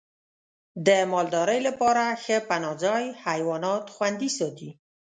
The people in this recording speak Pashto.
د مالدارۍ لپاره ښه پناه ځای حیوانات خوندي ساتي.